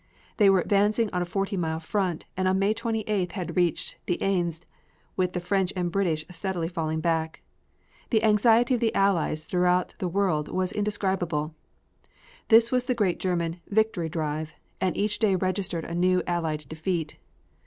They were advancing on a forty mile front and on May 28th had reached the Aisne, with the French and British steadily falling back. The anxiety of the Allies throughout the world was indescribable. This was the great German "Victory Drive" and each day registered a new Allied defeat.